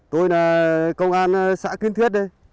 tôi là công an xã kiến thiết đây